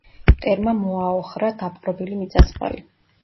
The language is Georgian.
მტერმა მოაოხრა დაპყრობილი მიწა-წყალი.